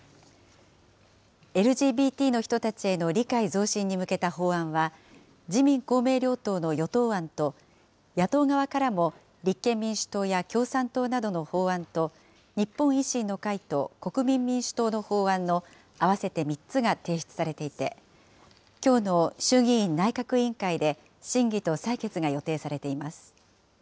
ＬＧＢＴの人たちへの理解増進に向けた法案は、自民、公明両党の与党案と、野党側からも立憲民主党や共産党などの法案と、日本維新の会と国民民主党の法案の合わせて３つが提出されていて、きょうの衆議院内閣委員会で審議と採決が予定されています。